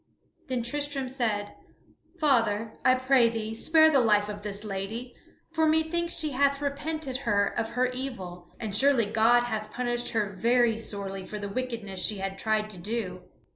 Then Tristram said: "Father, I pray thee, spare the life of this lady, for methinks she hath repented her of her evil, and surely God hath punished her very sorely for the wickedness she hath tried to do."